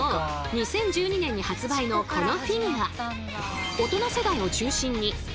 ２０１２年に発売のこのフィギュア。